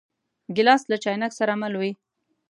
ګیلاس له چاینک سره مل وي.